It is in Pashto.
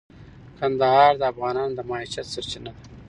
کندهار د افغانانو د معیشت سرچینه ده.